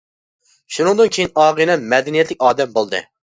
شۇنىڭدىن كېيىن ئاغىنەم مەدەنىيەتلىك ئادەم بولدى.